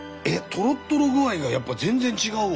とろっとろ具合がやっぱ全然違うわ。